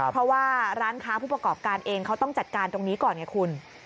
เพราะว่าร้านค้าผู้ประกอบการเองเขาต้องจัดการตรงนี้ก่อนไงคุณ